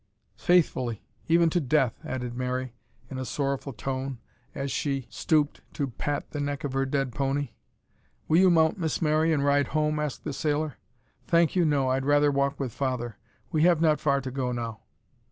"Faithfully even to death," added Mary, in a sorrowful tone as she stooped to pat the neck of her dead pony. "Will you mount, Miss Mary, and ride home?" asked the sailor. "Thank you no, I'd rather walk with father. We have not far to go now."